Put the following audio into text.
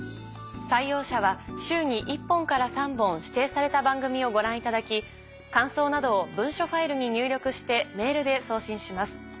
採用者は週に１本から３本指定された番組をご覧いただき感想などを文書ファイルに入力してメールで送信します。